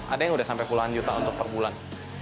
ada yang udah sampai puluhan juta untuk perbulan